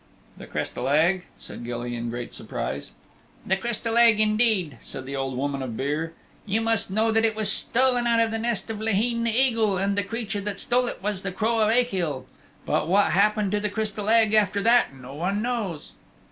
"The Crystal Egg!" said Gilly in great surprise. "The Crystal Egg indeed," said the Old Woman of Beare. "You must know that it was stolen out of the nest of Laheen the Eagle, and the creature that stole it was the Crow of Achill. But what happened to the Crystal Egg after that no one knows."